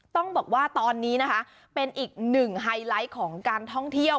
ต้องบอกว่าตอนนี้นะคะเป็นอีกหนึ่งไฮไลท์ของการท่องเที่ยว